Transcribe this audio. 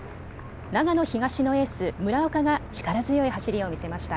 長野東のエース、村岡が力強い走りを見せました。